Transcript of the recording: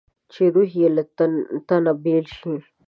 چې روح یې له تنه بېل شي.